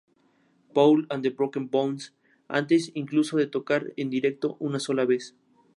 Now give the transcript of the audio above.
Paul and The Broken Bones", antes incluso de tocar en directo una sola vez.